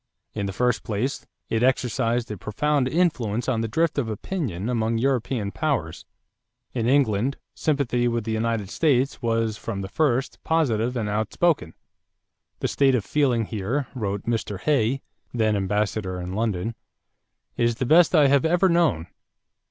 In the first place, it exercised a profound influence on the drift of opinion among European powers. In England, sympathy with the United States was from the first positive and outspoken. "The state of feeling here," wrote Mr. Hay, then ambassador in London, "is the best I have ever known.